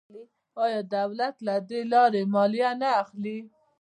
آیا دولت له دې لارې مالیه نه اخلي؟